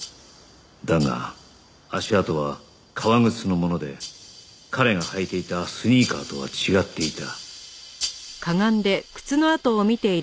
だが足跡は革靴のもので彼が履いていたスニーカーとは違っていた